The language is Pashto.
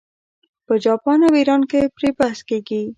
په جاپان او ایران کې پرې بحث کیږي.